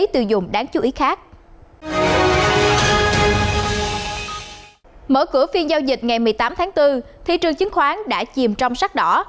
thị trường chứng khoán đã chìm trong sắc đỏ